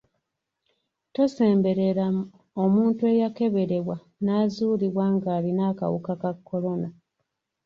Tosemberera omuntu eyakeberebwa n'azuulibwa ng'alina akawuka ka kolona.